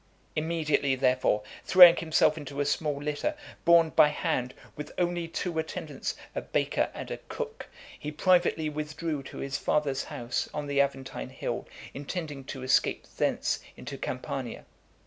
Immediately, therefore, throwing himself into a small litter, borne by hand, with only two attendants, a baker and a cook, he privately withdrew to his father's house, on the Aventine hill, intending to escape thence into Campania.